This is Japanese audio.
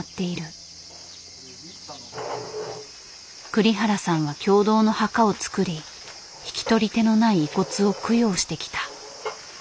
栗原さんは共同の墓を造り引き取り手のない遺骨を供養してきた。